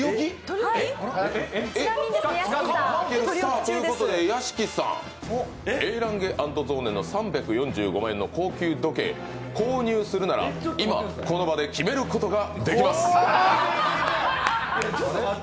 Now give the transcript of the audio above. ということで屋敷さん、Ａ．ランゲ＆ゾーネの３４５万円の高級時計、購入するなら今この場で決めることができます。